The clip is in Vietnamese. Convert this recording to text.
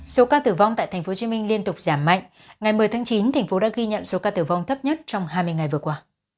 số ca tử vong tại tp hcm liên tục giảm mạnh ngày một mươi tháng chín thành phố đã ghi nhận số ca tử vong thấp nhất trong hai mươi ngày vừa qua